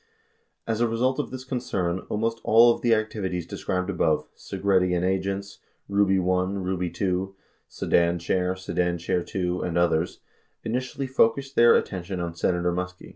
89 As a result of this concern, almost all of the activities described above Segretti and agents, Ruby I, Ruby II, Sedan Chair, Sedan Chair IT, and others — initially focused their attention on Senator Muskie.